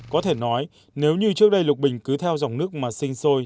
có thể nói nếu như trước đây lục bình cứ theo dòng nước mà sinh sôi